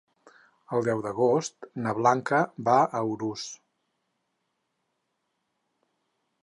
El deu d'agost na Blanca va a Urús.